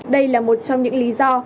đây là một trong những lý do